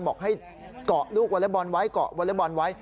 บอกให้เกาะลูกวอเล็กบอลไว้เกาะวอเล็กบอลไว้